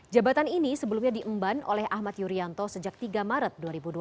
jabatan ini sebelumnya diemban oleh ahmad yuryanto sejak tiga maret dua ribu dua puluh